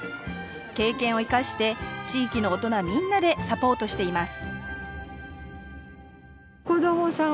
経験を生かして地域の大人みんなでサポートしています